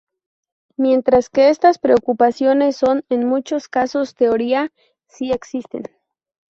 Mientras que estas preocupaciones son, en muchos casos, teoría, sí existen.